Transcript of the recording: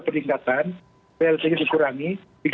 peningkatan blt nya dikurangi